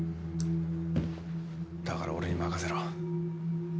だから俺に任せろ。